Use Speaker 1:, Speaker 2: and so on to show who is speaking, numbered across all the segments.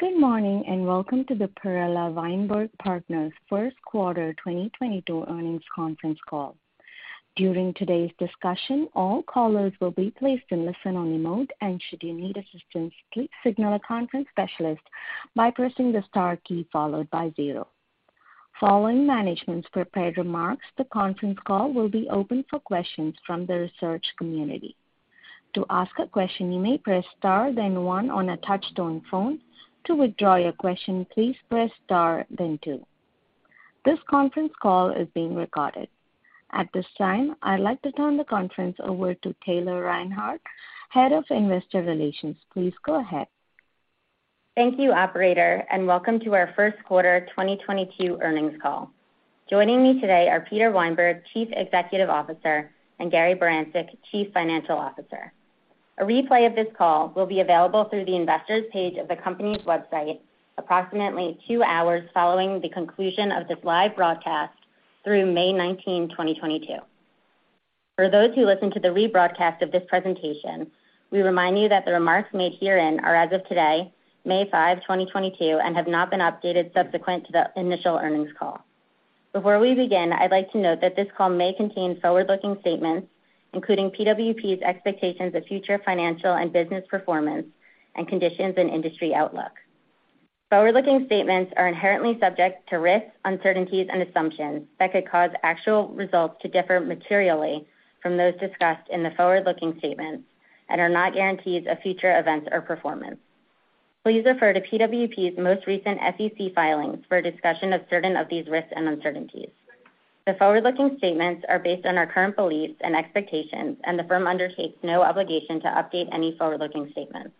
Speaker 1: Good morning, and welcome to the Perella Weinberg Partners first quarter 2022 earnings conference call. During today's discussion, all callers will be placed in listen-only mode. Should you need assistance, please signal a conference specialist by pressing the star key followed by zero. Following management's prepared remarks, the conference call will be open for questions from the research community. To ask a question, you may press star then one on a touch-tone phone. To withdraw your question, please press star then two. This conference call is being recorded. At this time, I'd like to turn the conference over to Taylor Reinhardt, Head of Investor Relations. Please go ahead.
Speaker 2: Thank you, operator, and welcome to our first quarter 2022 earnings call. Joining me today are Peter Weinberg, Chief Executive Officer, and Gary Barancik, Chief Financial Officer. A replay of this call will be available through the Investors page of the company's website approximately two hours following the conclusion of this live broadcast through May 19, 2022. For those who listen to the rebroadcast of this presentation, we remind you that the remarks made herein are as of today, May 5, 2022, and have not been updated subsequent to the initial earnings call. Before we begin, I'd like to note that this call may contain forward-looking statements, including PWP's expectations of future financial and business performance and conditions and industry outlook. Forward-looking statements are inherently subject to risks, uncertainties, and assumptions that could cause actual results to differ materially from those discussed in the forward-looking statements and are not guarantees of future events or performance. Please refer to PWP's most recent SEC filings for a discussion of certain of these risks and uncertainties. The forward-looking statements are based on our current beliefs and expectations, and the firm undertakes no obligation to update any forward-looking statements.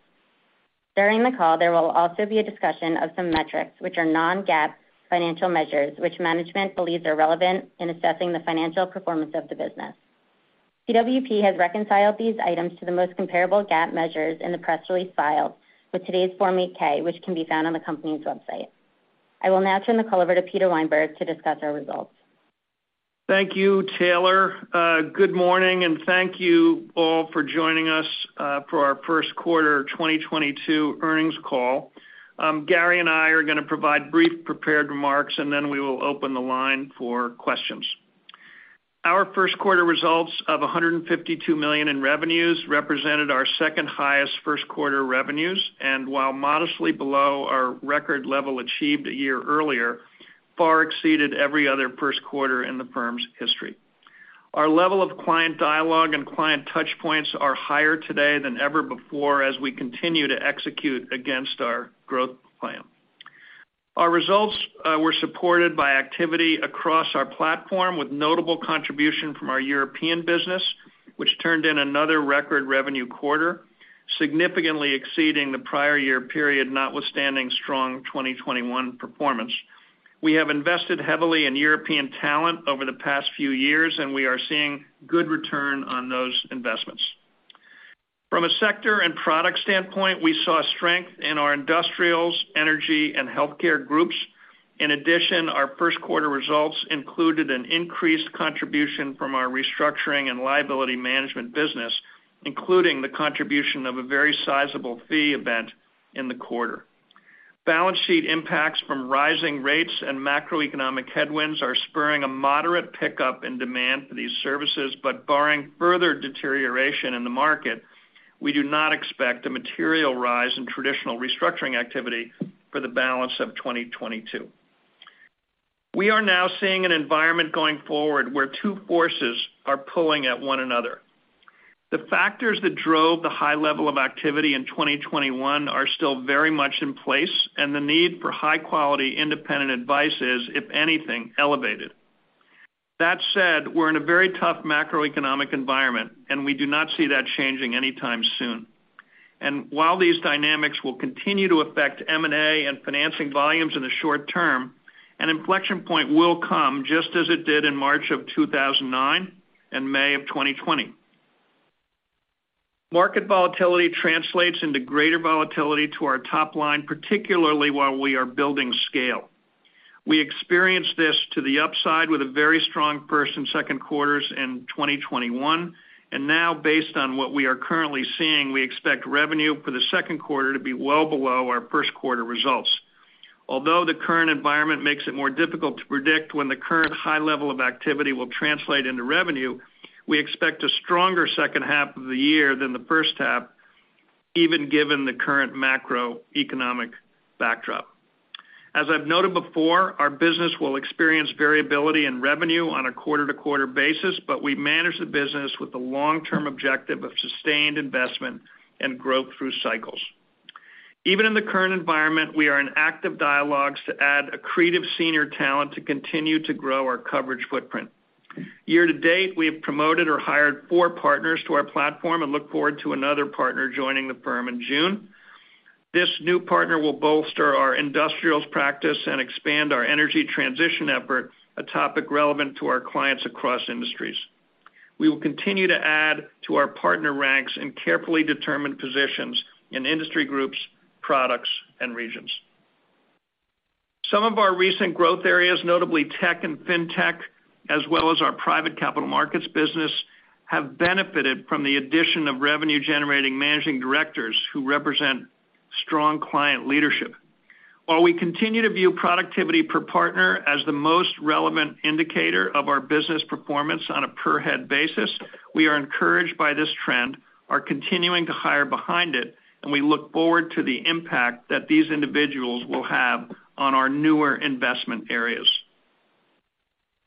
Speaker 2: During the call, there will also be a discussion of some metrics which are non-GAAP financial measures, which management believes are relevant in assessing the financial performance of the business. PWP has reconciled these items to the most comparable GAAP measures in the press release filed with today's Form 8-K, which can be found on the company's website. I will now turn the call over to Peter Weinberg to discuss our results.
Speaker 3: Thank you, Taylor. Good morning, and thank you all for joining us for our first quarter 2022 earnings call. Gary and I are gonna provide brief prepared remarks, and then we will open the line for questions. Our first quarter results of $152 million in revenues represented our second-highest first quarter revenues. While modestly below our record level achieved a year earlier, far exceeded every other first quarter in the firm's history. Our level of client dialogue and client touch points are higher today than ever before as we continue to execute against our growth plan. Our results were supported by activity across our platform, with notable contribution from our European business, which turned in another record revenue quarter, significantly exceeding the prior year period, notwithstanding strong 2021 performance. We have invested heavily in European talent over the past few years, and we are seeing good return on those investments. From a sector and product standpoint, we saw strength in our industrials, energy, and healthcare groups. In addition, our first quarter results included an increased contribution from our restructuring and liability management business, including the contribution of a very sizable fee event in the quarter. Balance sheet impacts from rising rates and macroeconomic headwinds are spurring a moderate pickup in demand for these services, but barring further deterioration in the market, we do not expect a material rise in traditional restructuring activity for the balance of 2022. We are now seeing an environment going forward where two forces are pulling at one another. The factors that drove the high level of activity in 2021 are still very much in place, and the need for high-quality independent advice is, if anything, elevated. That said, we're in a very tough macroeconomic environment, and we do not see that changing anytime soon. While these dynamics will continue to affect M&A and financing volumes in the short term, an inflection point will come, just as it did in March 2009 and May 2020. Market volatility translates into greater volatility to our top line, particularly while we are building scale. We experienced this to the upside with a very strong first and second quarters in 2021. Now based on what we are currently seeing, we expect revenue for the second quarter to be well below our first quarter results. Although the current environment makes it more difficult to predict when the current high level of activity will translate into revenue, we expect a stronger second half of the year than the first half, even given the current macroeconomic backdrop. As I've noted before, our business will experience variability in revenue on a quarter-to-quarter basis, but we manage the business with the long-term objective of sustained investment and growth through cycles. Even in the current environment, we are in active dialogues to add accretive senior talent to continue to grow our coverage footprint. Year to date, we have promoted or hired four partners to our platform and look forward to another partner joining the firm in June. This new partner will bolster our industrials practice and expand our energy transition effort, a topic relevant to our clients across industries. We will continue to add to our partner ranks in carefully determined positions in industry groups, products, and regions. Some of our recent growth areas, notably tech and fintech, as well as our private capital markets business, have benefited from the addition of revenue-generating managing directors who represent strong client leadership. While we continue to view productivity per partner as the most relevant indicator of our business performance on a per head basis, we are encouraged by this trend, are continuing to hire behind it, and we look forward to the impact that these individuals will have on our newer investment areas.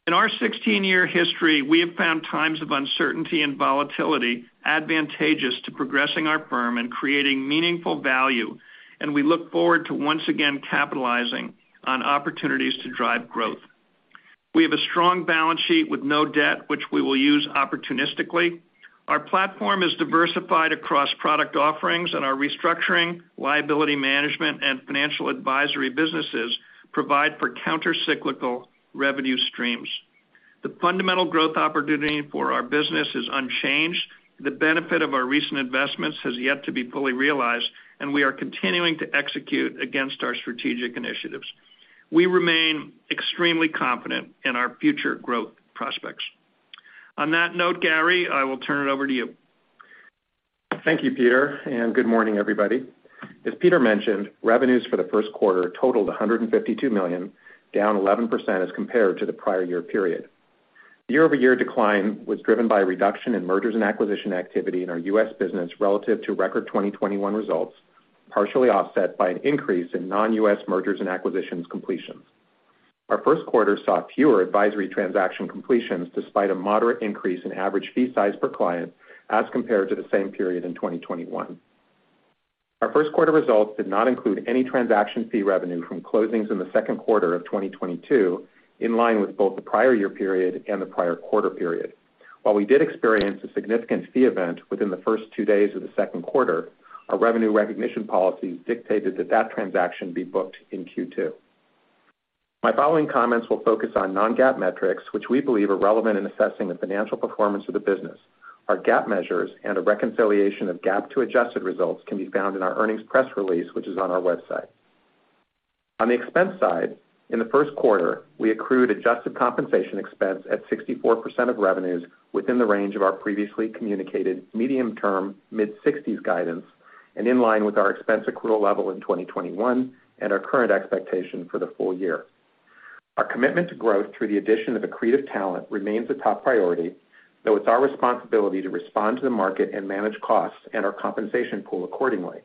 Speaker 3: In our 16-year history, we have found times of uncertainty and volatility advantageous to progressing our firm and creating meaningful value, and we look forward to once again capitalizing on opportunities to drive growth. We have a strong balance sheet with no debt, which we will use opportunistically. Our platform is diversified across product offerings, and our restructuring, liability management, and financial advisory businesses provide for counter-cyclical revenue streams. The fundamental growth opportunity for our business is unchanged. The benefit of our recent investments has yet to be fully realized, and we are continuing to execute against our strategic initiatives. We remain extremely confident in our future growth prospects. On that note, Gary, I will turn it over to you.
Speaker 4: Thank you, Peter, and good morning, everybody. As Peter mentioned, revenues for the first quarter totaled $152 million, down 11% as compared to the prior year period. Year-over-year decline was driven by a reduction in mergers and acquisitions activity in our U.S. business relative to record 2021 results, partially offset by an increase in non-U.S. mergers and acquisitions completions. Our first quarter saw fewer advisory transaction completions despite a moderate increase in average fee size per client as compared to the same period in 2021. Our first quarter results did not include any transaction fee revenue from closings in the second quarter of 2022, in line with both the prior year period and the prior quarter period. While we did experience a significant fee event within the first two days of the second quarter, our revenue recognition policy dictated that that transaction be booked in Q2. My following comments will focus on non-GAAP metrics, which we believe are relevant in assessing the financial performance of the business. Our GAAP measures and a reconciliation of GAAP to adjusted results can be found in our earnings press release, which is on our website. On the expense side, in the first quarter, we accrued adjusted compensation expense at 64% of revenues within the range of our previously communicated medium-term mid-sixties guidance and in line with our expense accrual level in 2021 and our current expectation for the full year. Our commitment to growth through the addition of accretive talent remains a top priority, though it's our responsibility to respond to the market and manage costs and our compensation pool accordingly.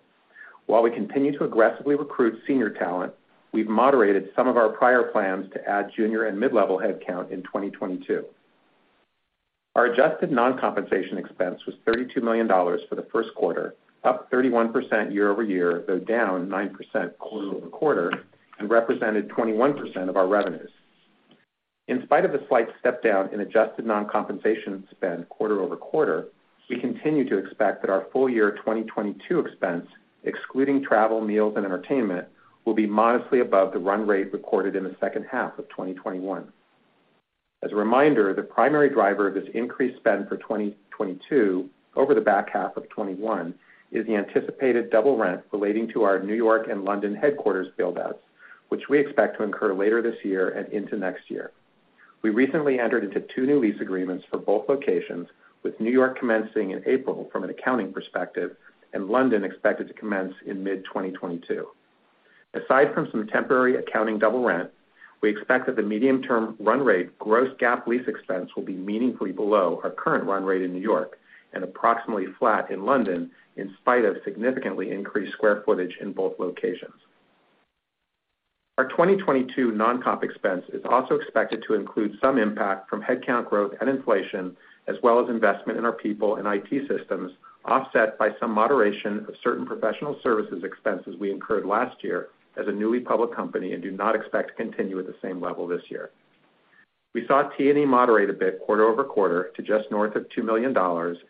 Speaker 4: While we continue to aggressively recruit senior talent, we've moderated some of our prior plans to add junior and mid-level headcount in 2022. Our adjusted non-compensation expense was $32 million for the first quarter, up 31% year-over-year, though down 9% quarter-over-quarter and represented 21% of our revenues. In spite of a slight step down in adjusted non-compensation spend quarter-over-quarter, we continue to expect that our full year 2022 expense, excluding travel, meals, and entertainment, will be modestly above the run rate recorded in the second half of 2021. As a reminder, the primary driver of this increased spend for 2022 over the back half of 2021 is the anticipated double rent relating to our New York and London headquarters build-outs, which we expect to incur later this year and into next year. We recently entered into two new lease agreements for both locations, with New York commencing in April from an accounting perspective and London expected to commence in mid-2022. Aside from some temporary accounting double rent, we expect that the medium-term run rate gross GAAP lease expense will be meaningfully below our current run rate in New York and approximately flat in London, in spite of significantly increased square footage in both locations. Our 2022 non-comp expense is also expected to include some impact from headcount growth and inflation, as well as investment in our people and IT systems, offset by some moderation of certain professional services expenses we incurred last year as a newly public company and do not expect to continue at the same level this year. We saw T&E moderate a bit quarter-over-quarter to just north of $2 million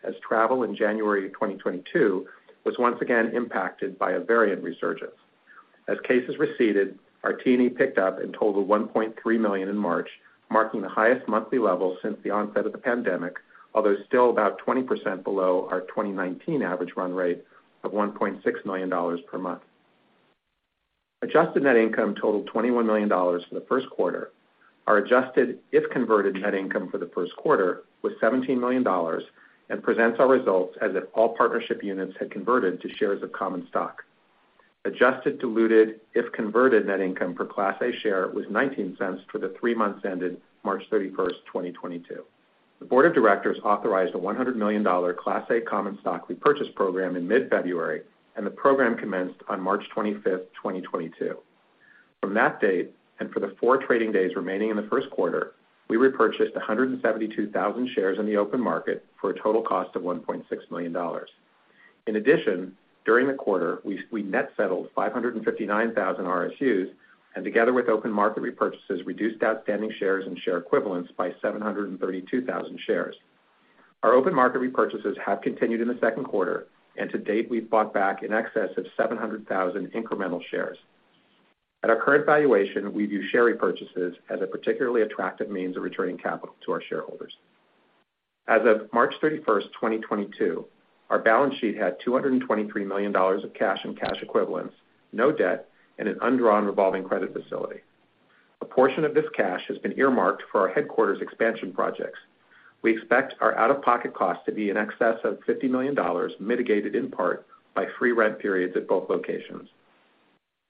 Speaker 4: as travel in January 2022 was once again impacted by a variant resurgence. As cases receded, our T&E picked up and totaled $1.3 million in March, marking the highest monthly level since the onset of the pandemic. Although still about 20% below our 2019 average run rate of $1.6 million per month. Adjusted net income totaled $21 million for the first quarter. Our adjusted, if converted, net income for the first quarter was $17 million and presents our results as if all partnership units had converted to shares of common stock. Adjusted diluted, if converted, net income per Class A share was $0.19 for the three months ended March 31, 2022. The board of directors authorized a $100 million Class A common stock repurchase program in mid-February, and the program commenced on March 25, 2022. From that date, and for the 4 trading days remaining in the first quarter, we repurchased 172,000 shares in the open market for a total cost of $1.6 million. In addition, during the quarter, we net settled 559,000 RSUs, and together with open market repurchases, reduced outstanding shares and share equivalents by 732,000 shares. Our open market repurchases have continued in the second quarter, and to date, we've bought back in excess of 700,000 incremental shares. At our current valuation, we view share repurchases as a particularly attractive means of returning capital to our shareholders. As of March 31, 2022, our balance sheet had $223 million of cash and cash equivalents, no debt, and an undrawn revolving credit facility. A portion of this cash has been earmarked for our headquarters expansion projects. We expect our out-of-pocket costs to be in excess of $50 million, mitigated in part by free rent periods at both locations.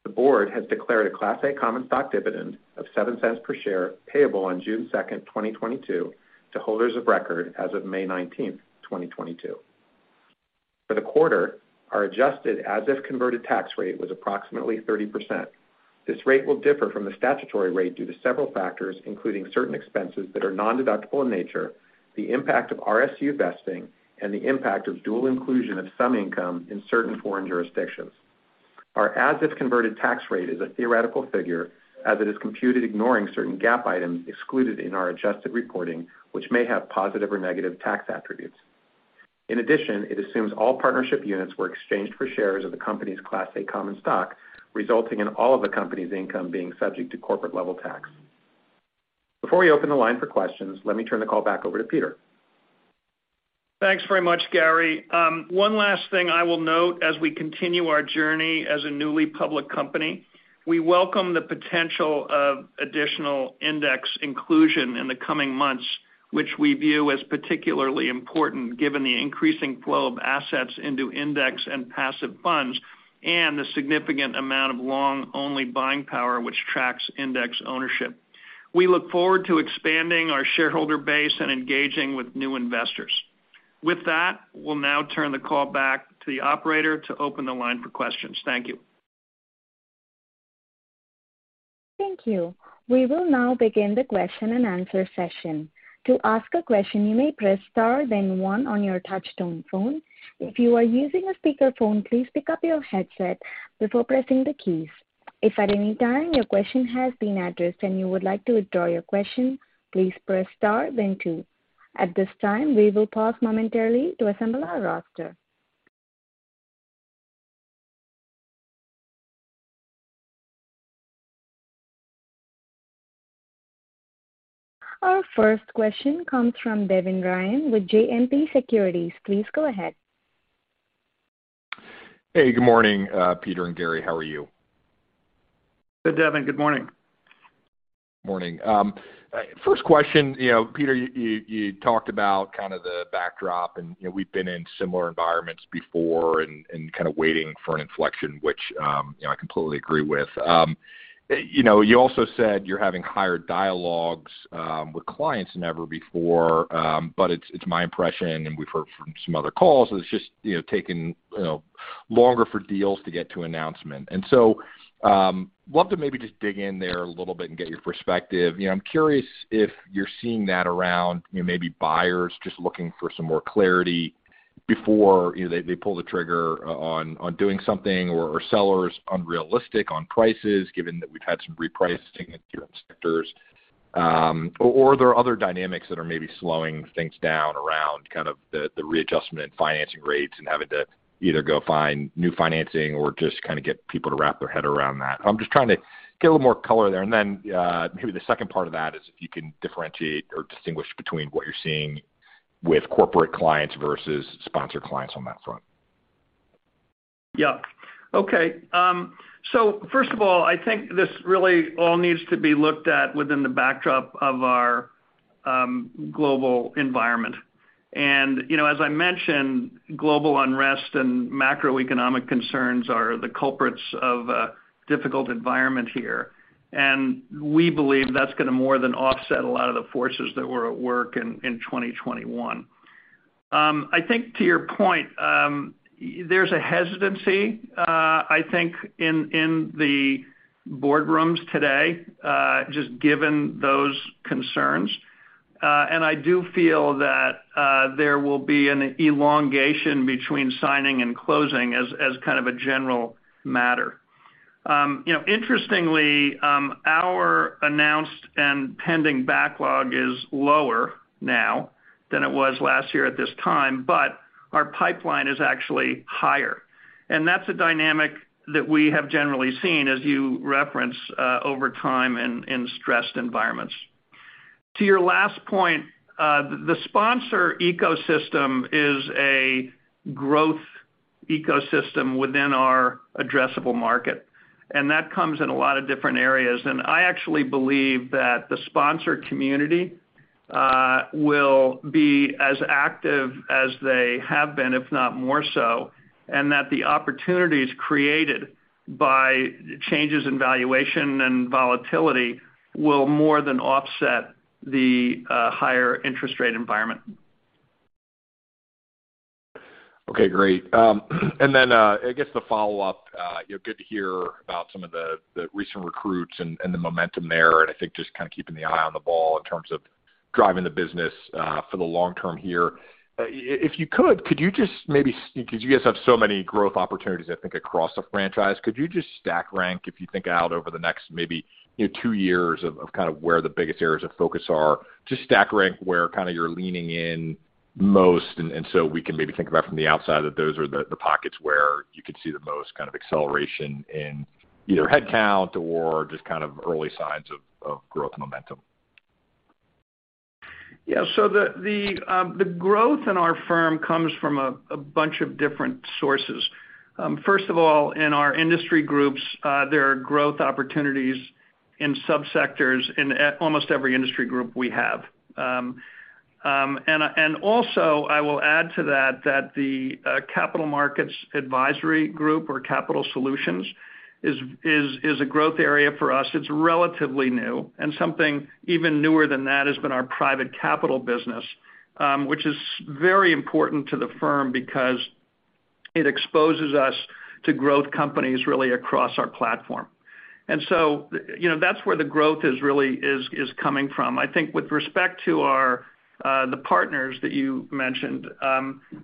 Speaker 4: The board has declared a Class A common stock dividend of $0.07 per share payable on June 2, 2022 to holders of record as of May 19, 2022. For the quarter, our adjusted as-if converted tax rate was approximately 30%. This rate will differ from the statutory rate due to several factors, including certain expenses that are non-deductible in nature, the impact of RSU vesting, and the impact of dual inclusion of some income in certain foreign jurisdictions. Our as if converted tax rate is a theoretical figure, as it is computed ignoring certain GAAP items excluded in our adjusted reporting, which may have positive or negative tax attributes. In addition, it assumes all partnership units were exchanged for shares of the company's Class A common stock, resulting in all of the company's income being subject to corporate level tax. Before we open the line for questions, let me turn the call back over to Peter.
Speaker 3: Thanks very much, Gary. One last thing I will note as we continue our journey as a newly public company, we welcome the potential of additional index inclusion in the coming months, which we view as particularly important given the increasing flow of assets into index and passive funds and the significant amount of long-only buying power which tracks index ownership. We look forward to expanding our shareholder base and engaging with new investors. With that, we'll now turn the call back to the operator to open the line for questions. Thank you.
Speaker 1: Thank you. We will now begin the question and answer session. To ask a question, you may press Star, then one on your touch tone phone. If you are using a speakerphone, please pick up your headset before pressing the keys. If at any time your question has been addressed and you would like to withdraw your question, please press Star then two. At this time, we will pause momentarily to assemble our roster. Our first question comes from Devin Ryan with JMP Securities. Please go ahead.
Speaker 5: Hey, good morning, Peter and Gary. How are you?
Speaker 3: Good, Devin. Good morning.
Speaker 5: Morning. First question. You know, Peter, you talked about kind of the backdrop and, you know, we've been in similar environments before and kind of waiting for an inflection, which, you know, I completely agree with. You know, you also said you're having higher dialogues with clients than ever before, but it's my impression, and we've heard from some other calls, it's just, you know, taking longer for deals to get to announcement. Love to maybe just dig in there a little bit and get your perspective. You know, I'm curious if you're seeing that around, you know, maybe buyers just looking for some more clarity before, you know, they pull the trigger on doing something or sellers unrealistic on prices given that we've had some repricing in different sectors. There are other dynamics that are maybe slowing things down around kind of the readjustment in financing rates and having to either go find new financing or just kind of get people to wrap their head around that. I'm just trying to get a little more color there. Maybe the second part of that is if you can differentiate or distinguish between what you're seeing with corporate clients versus sponsor clients on that front.
Speaker 3: Yeah. Okay. So first of all, I think this really all needs to be looked at within the backdrop of our global environment. You know, as I mentioned, global unrest and macroeconomic concerns are the culprits of a difficult environment here. We believe that's gonna more than offset a lot of the forces that were at work in 2021. I think to your point, there's a hesitancy, I think in the boardrooms today, just given those concerns. I do feel that there will be an elongation between signing and closing as kind of a general matter. You know, interestingly, our announced and pending backlog is lower now than it was last year at this time, but our pipeline is actually higher. That's a dynamic that we have generally seen as you reference over time in stressed environments. To your last point, the sponsor ecosystem is a growth ecosystem within our addressable market, and that comes in a lot of different areas. I actually believe that the sponsor community will be as active as they have been, if not more so, and that the opportunities created by changes in valuation and volatility will more than offset the higher interest rate environment.
Speaker 5: Okay, great. I guess the follow-up, good to hear about some of the recent recruits and the momentum there, and I think just kind of keeping the eye on the ball in terms of driving the business for the long term here. If you could just maybe, because you guys have so many growth opportunities, I think, across the franchise. Could you just stack rank if you think out over the next maybe, you know, two years of kind of where the biggest areas of focus are? Just stack rank where kind of you're leaning in most, and so we can maybe think about from the outside that those are the pockets where you could see the most kind of acceleration in either headcount or just kind of early signs of growth momentum.
Speaker 3: Yeah. The growth in our firm comes from a bunch of different sources. First of all, in our industry groups, there are growth opportunities in subsectors in almost every industry group we have. Also I will add to that the capital markets advisory group or capital solutions is a growth area for us. It's relatively new, and something even newer than that has been our private capital business, which is very important to the firm because it exposes us to growth companies really across our platform. You know, that's where the growth is really coming from. I think with respect to the partners that you mentioned,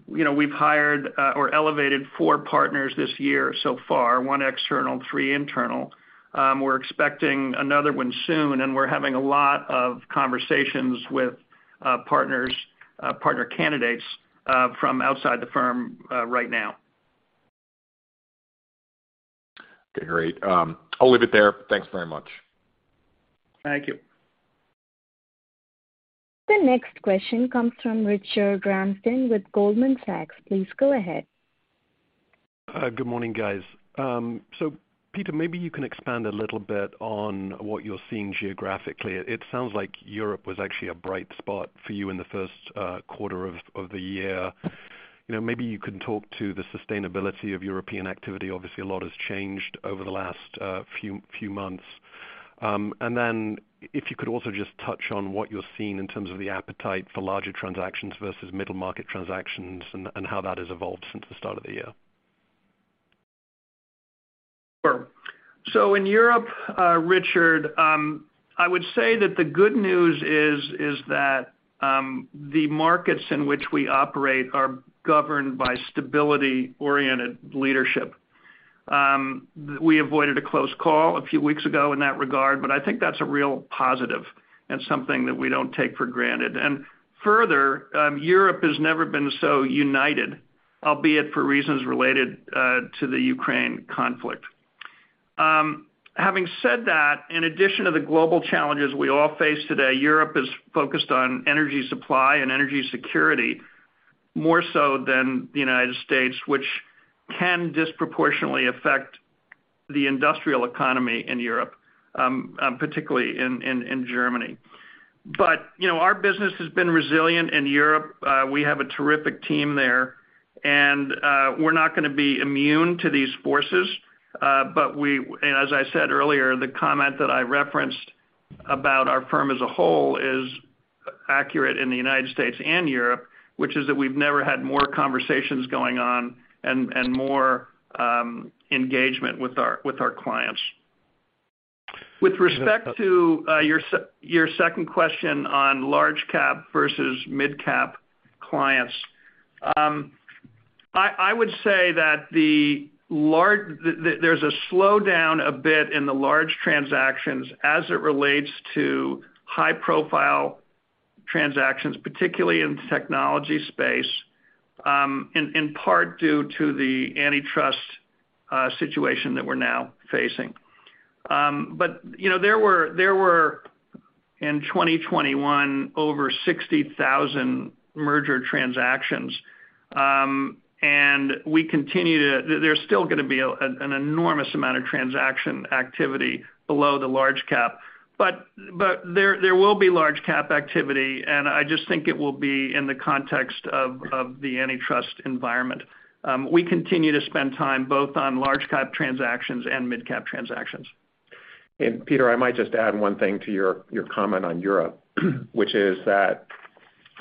Speaker 3: you know, we've hired or elevated four partners this year so far, one external, three internal. We're expecting another one soon, and we're having a lot of conversations with partners, partner candidates from outside the firm right now.
Speaker 5: Okay, great. I'll leave it there. Thanks very much.
Speaker 3: Thank you.
Speaker 1: The next question comes from James Yaro with Goldman Sachs. Please go ahead.
Speaker 6: Good morning, guys. Peter, maybe you can expand a little bit on what you're seeing geographically. It sounds like Europe was actually a bright spot for you in the first quarter of the year. You know, maybe you can talk to the sustainability of European activity. Obviously, a lot has changed over the last few months. Then if you could also just touch on what you're seeing in terms of the appetite for larger transactions versus middle market transactions and how that has evolved since the start of the year.
Speaker 3: Sure. So in Europe, James Yaro, I would say that the good news is that the markets in which we operate are governed by stability-oriented leadership. We avoided a close call a few weeks ago in that regard, but I think that's a real positive and something that we don't take for granted. Further, Europe has never been so united, albeit for reasons related to the Ukraine conflict. Having said that, in addition to the global challenges we all face today, Europe is focused on energy supply and energy security more so than the United States, which can disproportionately affect the industrial economy in Europe, particularly in Germany. You know, our business has been resilient in Europe. We have a terrific team there, and we're not gonna be immune to these forces, but and as I said earlier, the comment that I referenced about our firm as a whole is accurate in the United States and Europe, which is that we've never had more conversations going on and more engagement with our clients. With respect to your second question on large cap versus midcap clients, I would say that the large. There's a slowdown a bit in the large transactions as it relates to high-profile transactions, particularly in the technology space, in part due to the antitrust situation that we're now facing. You know, there were in 2021 over 60,000 merger transactions, and there's still gonna be an enormous amount of transaction activity below the large cap. There will be large cap activity, and I just think it will be in the context of the antitrust environment. We continue to spend time both on large cap transactions and midcap transactions.
Speaker 4: Peter, I might just add one thing to your comment on Europe, which is that,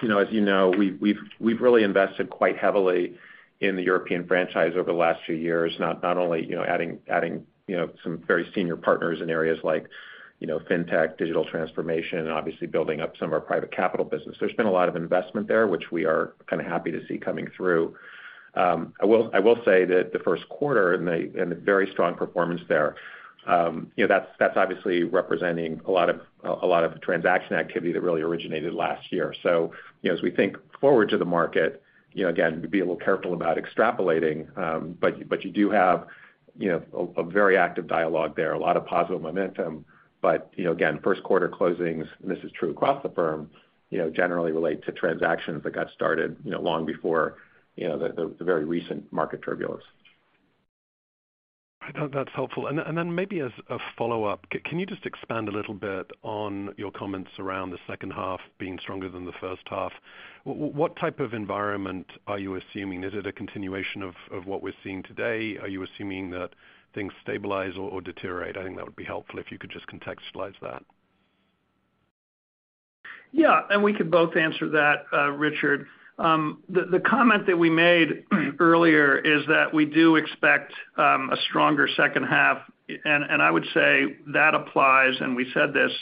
Speaker 4: you know, as you know, we've really invested quite heavily in the European franchise over the last few years, not only, you know, adding, you know, some very senior partners in areas like, you know, fintech, digital transformation, and obviously building up some of our private capital business. There's been a lot of investment there, which we are kind of happy to see coming through. I will say that the first quarter and the very strong performance there, you know, that's obviously representing a lot of transaction activity that really originated last year. you know, as we think forward to the market, you know, again, be a little careful about extrapolating, but you do have, you know, a very active dialogue there, a lot of positive momentum. you know, again, first quarter closings, and this is true across the firm, you know, generally relate to transactions that got started, you know, long before, you know, the very recent market turbulence.
Speaker 6: I know that's helpful. Maybe as a follow-up, can you just expand a little bit on your comments around the second half being stronger than the first half? What type of environment are you assuming? Is it a continuation of what we're seeing today? Are you assuming that things stabilize or deteriorate? I think that would be helpful if you could just contextualize that.
Speaker 3: Yeah. We could both answer that, Richard. The comment that we made earlier is that we do expect a stronger second half. I would say that applies, and we said this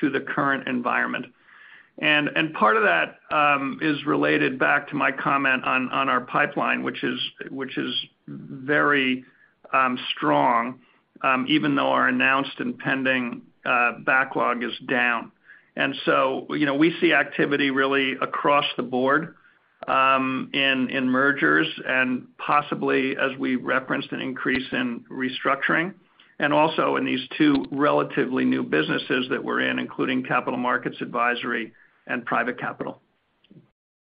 Speaker 3: to the current environment. Part of that is related back to my comment on our pipeline, which is very strong even though our announced and pending backlog is down. You know, we see activity really across the board in mergers and possibly, as we referenced, an increase in restructuring, and also in these two relatively new businesses that we're in, including capital markets advisory and private capital.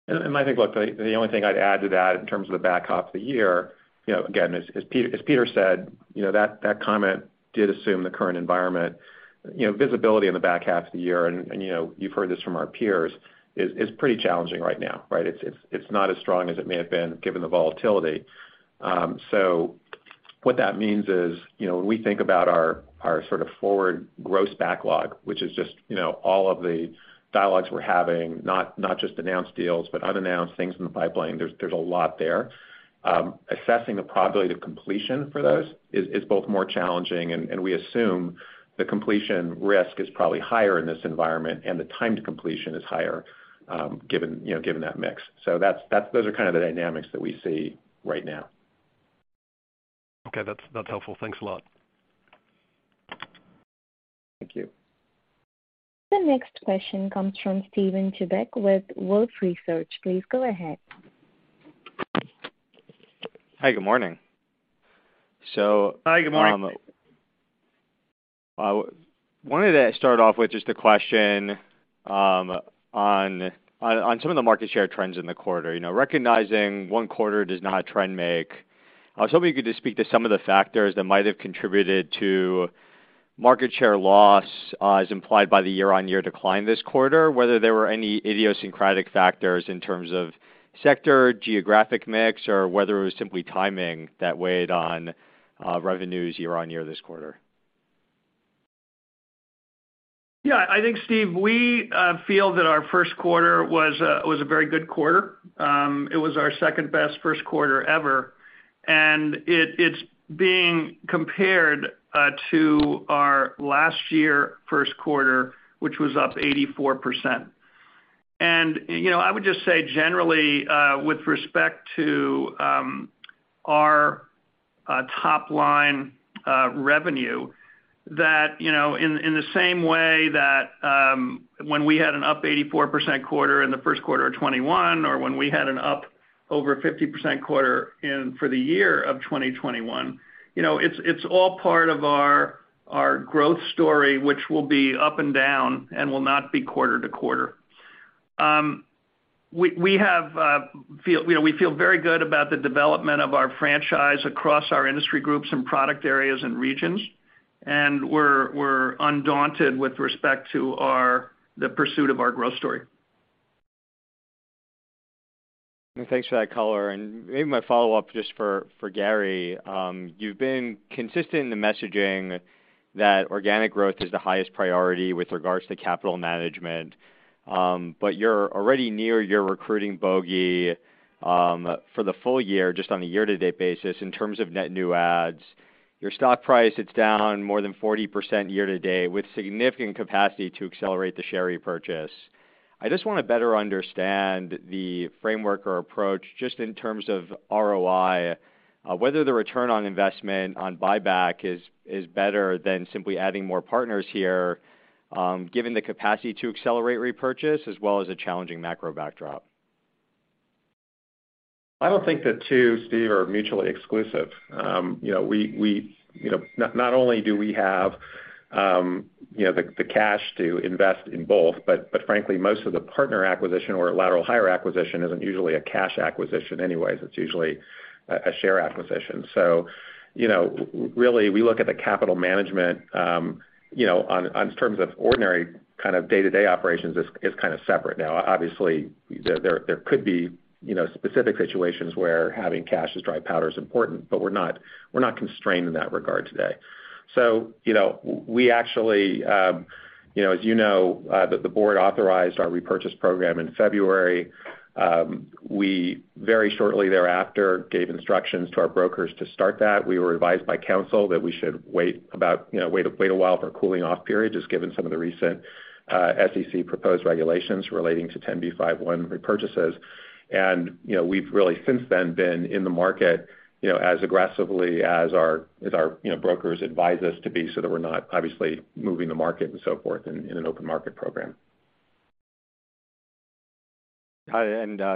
Speaker 4: I think, look, the only thing I'd add to that in terms of the back half of the year, you know, again, as Peter said, you know, that comment did assume the current environment. You know, visibility in the back half of the year, and you know, you've heard this from our peers, is pretty challenging right now, right? It's not as strong as it may have been given the volatility. So what that means is, you know, when we think about our sort of forward gross backlog, which is just, you know, all of the dialogues we're having, not just announced deals, but unannounced things in the pipeline, there's a lot there. Assessing the probability of completion for those is both more challenging, and we assume the completion risk is probably higher in this environment and the time to completion is higher, given, you know, given that mix. That's. Those are kind of the dynamics that we see right now.
Speaker 6: Okay. That's helpful. Thanks a lot.
Speaker 4: Thank you.
Speaker 1: The next question comes from Steven Chubak with Wolfe Research. Please go ahead.
Speaker 7: Hi, good morning.
Speaker 4: Hi, good morning.
Speaker 7: I wanted to start off with just a question, on some of the market share trends in the quarter. You know, recognizing one quarter does not a trend make, I was hoping you could just speak to some of the factors that might have contributed to market share loss, as implied by the year-on-year decline this quarter, whether there were any idiosyncratic factors in terms of sector, geographic mix, or whether it was simply timing that weighed on revenues year-on-year this quarter.
Speaker 4: Yeah. I think, Steven, we feel that our first quarter was a very good quarter. It was our second-best first quarter ever, and it's being compared to our last year first quarter, which was up 84%. You know, I would just say generally, with respect to our top line revenue that, you know, in the same way that, when we had an up 84% quarter in the first quarter of 2021 or when we had an up over 50% quarter for the year of 2021, you know, it's all part of our growth story, which will be up and down and will not be quarter to quarter. We feel. You know, we feel very good about the development of our franchise across our industry groups and product areas and regions, and we're undaunted with respect to the pursuit of our growth story.
Speaker 7: Thanks for that color. Maybe my follow-up just for Gary. You've been consistent in the messaging that organic growth is the highest priority with regards to capital management. You're already near your recruiting bogey for the full year, just on a year-to-date basis in terms of net new adds. Your stock price, it's down more than 40% year to date with significant capacity to accelerate the share repurchase. I just wanna better understand the framework or approach just in terms of ROI, whether the return on investment on buyback is better than simply adding more partners here, given the capacity to accelerate repurchase as well as a challenging macro backdrop.
Speaker 4: I don't think the two, Steve, are mutually exclusive. You know, not only do we have you know, the cash to invest in both, but frankly, most of the partner acquisition or lateral hire acquisition isn't usually a cash acquisition anyways. It's usually a share acquisition. You know, really, we look at the capital management you know, in terms of ordinary kind of day-to-day operations is kinda separate. Now, obviously, there could be you know, specific situations where having cash as dry powder is important, but we're not constrained in that regard today. You know, we actually you know, as you know, the board authorized our repurchase program in February. We very shortly thereafter gave instructions to our brokers to start that. We were advised by counsel that we should wait a while for a cooling off period, just given some of the recent SEC proposed regulations relating to 10b5-1 repurchases. You know, we've really since then been in the market, you know, as aggressively as our brokers advise us to be so that we're not obviously moving the market and so forth in an open market program.
Speaker 7: Hi.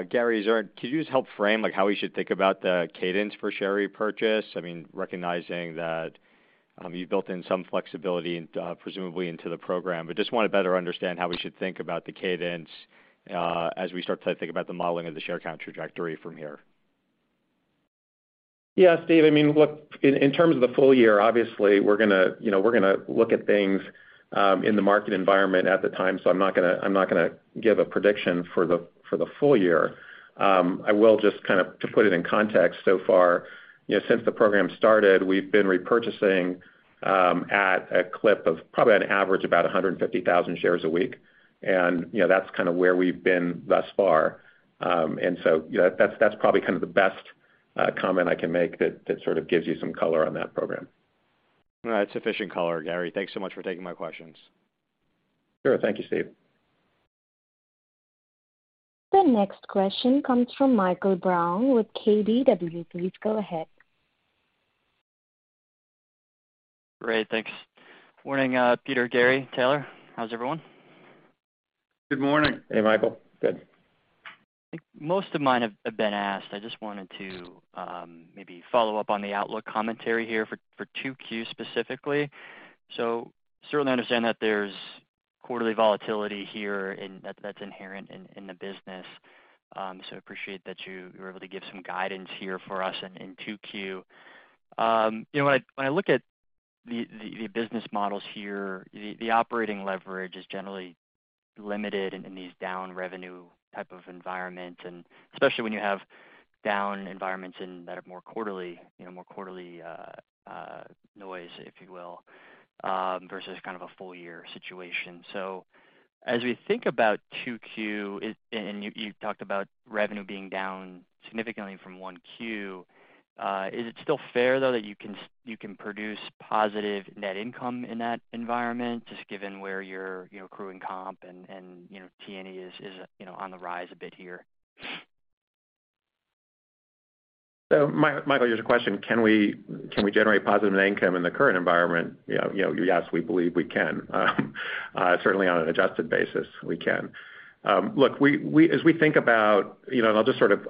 Speaker 7: Gary, could you just help frame, like, how we should think about the cadence for share repurchase? I mean, recognizing that you built in some flexibility, presumably into the program. Just wanna better understand how we should think about the cadence, as we start to think about the modeling of the share count trajectory from here.
Speaker 4: Yeah. Steven, I mean, look, in terms of the full year, obviously, we're gonna look at things in the market environment at the time, so I'm not gonna give a prediction for the full year. I will just kind of. To put it in context so far, you know, since the program started, we've been repurchasing at a clip of probably on average about 150,000 shares a week. You know, that's kinda where we've been thus far. You know, that's probably kind of the best comment I can make that sort of gives you some color on that program.
Speaker 7: All right. Sufficient color, Gary. Thanks so much for taking my questions.
Speaker 4: Sure. Thank you, Steve.
Speaker 1: The next question comes from Michael Brown with KBW. Please go ahead.
Speaker 8: Great. Thanks. Morning, Peter, Gary, Taylor. How's everyone?
Speaker 4: Good morning.
Speaker 8: Hey, Michael. Good. Most of mine have been asked. I just wanted to maybe follow up on the outlook commentary here for 2Q specifically. Certainly understand that there's quarterly volatility here and that's inherent in the business. Appreciate that you were able to give some guidance here for us in 2Q. You know, when I look at the business models here, the operating leverage is generally limited in these down revenue type of environments, and especially when you have down environments that have more quarterly noise, if you will, versus kind of a full year situation. As we think about 2Q, and you talked about revenue being down significantly from 1Q. Is it still fair though that you can produce positive net income in that environment just given where your, you know, crew and comp and, you know, T&E is, you know, on the rise a bit here?
Speaker 4: Michael, your question, can we generate positive net income in the current environment? You know, yes, we believe we can. Certainly on an adjusted basis, we can. Look, as we think about, you know, and I'll just sort of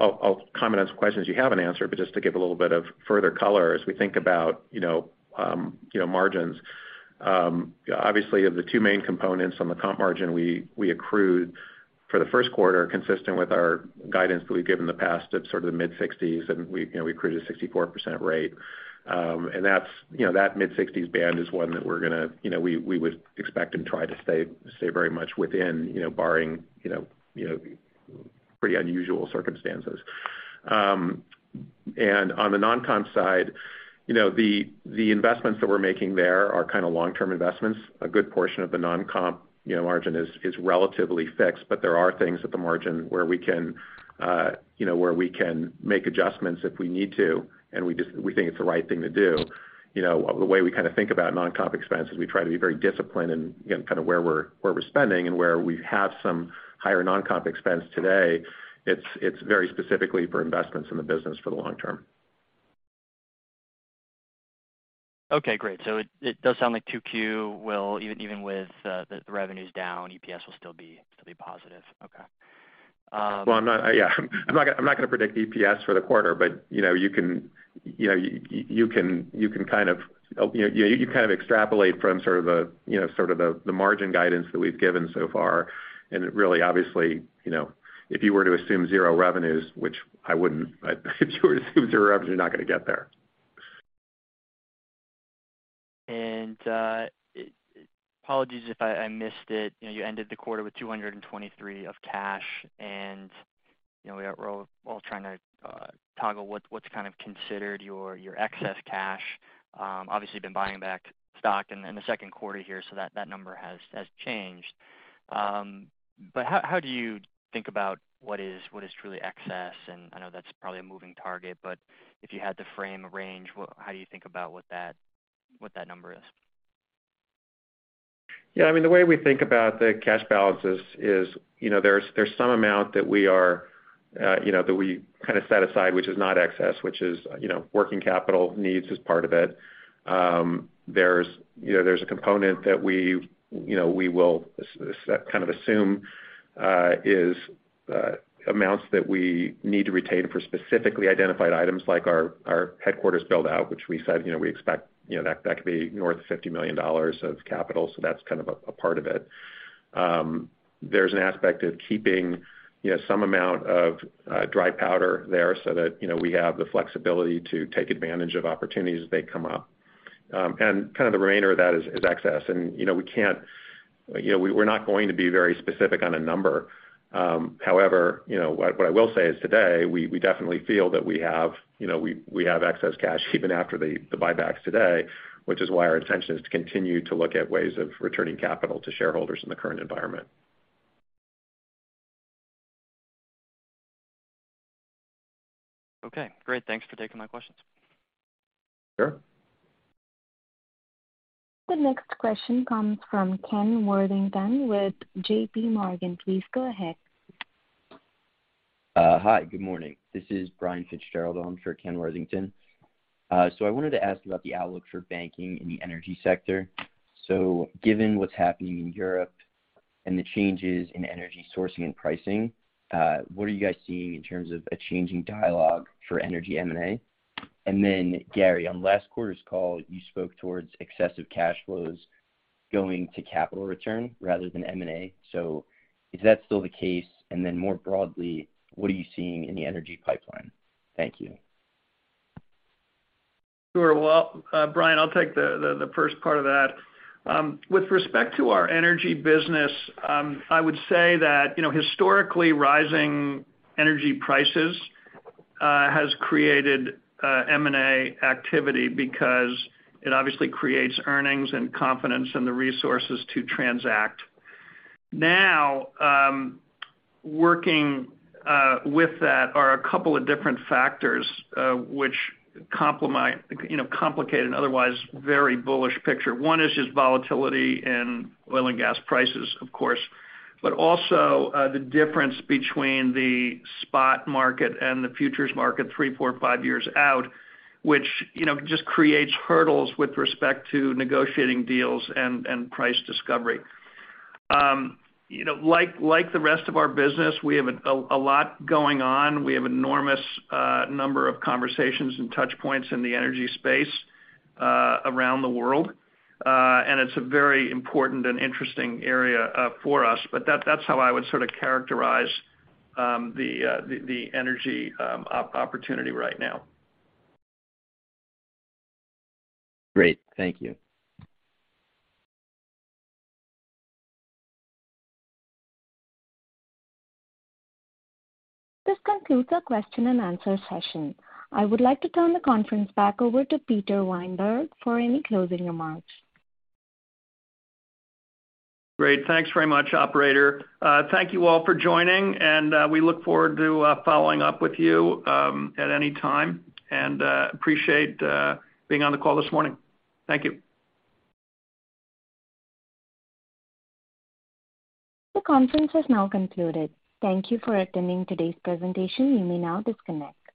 Speaker 4: comment on some questions you haven't answered, but just to give a little bit of further color as we think about, you know, margins. Obviously of the two main components on the comp margin we accrued for the first quarter consistent with our guidance that we've given in the past at sort of the mid-sixties and we accrued a 64% rate. That's, you know, that mid-sixties band is one that we're gonna, you know, we would expect and try to stay very much within, you know, barring, you know, you know, pretty unusual circumstances. On the non-comp side, you know, the investments that we're making there are kinda long-term investments. A good portion of the non-comp margin is relatively fixed, but there are things at the margin where we can make adjustments if we need to, and we think it's the right thing to do. You know, the way we kinda think about non-comp expenses, we try to be very disciplined and, you know, kind of where we're spending and where we have some higher non-comp expense today. It's very specifically for investments in the business for the long term.
Speaker 8: Okay, great. It does sound like Q2 will even with the revenues down, EPS will still be positive. Okay.
Speaker 4: Well, I'm not gonna predict EPS for the quarter, but you know, you can kind of extrapolate from sort of the margin guidance that we've given so far. It really obviously, you know, if you were to assume zero revenues, which I wouldn't, but if you were to assume zero revenues, you're not gonna get there.
Speaker 8: Apologies if I missed it. You know, you ended the quarter with $223 million of cash. You know, we are all trying to tackle what's kind of considered your excess cash. Obviously been buying back stock in the second quarter here, so that number has changed. But how do you think about what is truly excess? I know that's probably a moving target, but if you had to frame a range, how do you think about what that number is?
Speaker 4: Yeah, I mean, the way we think about the cash balances is, you know, there's some amount that we are, you know, that we kind of set aside, which is not excess, which is, you know, working capital needs is part of it. There's, you know, there's a component that we, you know, we will kind of assume, is, amounts that we need to retain for specifically identified items like our headquarters build out, which we said, you know, we expect, you know, that could be north of $50 million of capital, so that's kind of a part of it. There's an aspect of keeping, you know, some amount of dry powder there so that, you know, we have the flexibility to take advantage of opportunities as they come up. Kind of the remainder of that is excess. You know, we can't, you know, we're not going to be very specific on a number. However, you know, what I will say is today, we definitely feel that we have excess cash even after the buybacks today, which is why our intention is to continue to look at ways of returning capital to shareholders in the current environment.
Speaker 8: Okay, great. Thanks for taking my questions.
Speaker 4: Sure.
Speaker 1: The next question comes from Ken Worthington with JPMorgan. Please go ahead.
Speaker 9: Hi, good morning. This is Brian Fitzgerald on for Ken Worthington. I wanted to ask about the outlook for banking in the energy sector. Given what's happening in Europe and the changes in energy sourcing and pricing, what are you guys seeing in terms of a changing dialogue for energy M&A? Then Gary, on last quarter's call, you spoke towards excessive cash flows going to capital return rather than M&A. Is that still the case? More broadly, what are you seeing in the energy pipeline? Thank you.
Speaker 3: Sure. Well, Brian, I'll take the first part of that. With respect to our energy business, I would say that, you know, historically rising energy prices has created M&A activity because it obviously creates earnings and confidence in the resources to transact. Now, working with that are a couple of different factors, which, you know, complicate an otherwise very bullish picture. One is just volatility in oil and gas prices, of course, but also the difference between the spot market and the futures market three, four, five years out, which, you know, just creates hurdles with respect to negotiating deals and price discovery. You know, like the rest of our business, we have a lot going on. We have enormous number of conversations and touch points in the energy space around the world. It's a very important and interesting area for us. That's how I would sort of characterize the energy opportunity right now.
Speaker 9: Great. Thank you.
Speaker 1: This concludes our question and answer session. I would like to turn the conference back over to Peter Weinberg for any closing remarks.
Speaker 3: Great. Thanks very much, operator. Thank you all for joining and we look forward to following up with you at any time. Appreciate being on the call this morning. Thank you.
Speaker 1: The conference has now concluded. Thank you for attending today's presentation. You may now disconnect.